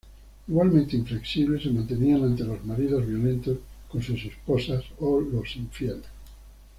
Igualmente inflexible se mantenía ante los maridos violentos con sus esposas o los infieles.